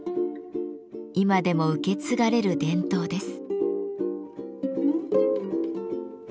今でも受け継がれる伝統です。